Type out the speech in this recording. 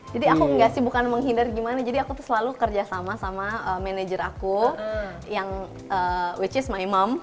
jadi aku gak sibukan menghindar gimana jadi aku tuh selalu kerja sama sama manager aku yang which is my mom